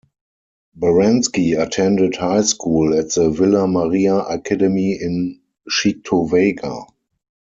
Baranski attended high school at the Villa Maria Academy in Cheektowaga.